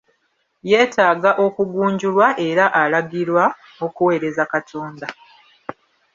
Yeetaaga okugunjulwa era alagirwa okuwereeza Katonda.